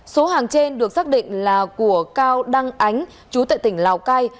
số hàng trên được xác định là của cao đăng ánh chú tại tỉnh lào cai